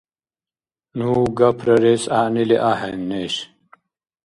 Ну гапрарес гӀягӀнили ахӀен, неш.